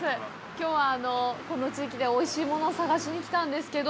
きょうは、この地域でおいしいものを探しに来たんですけど。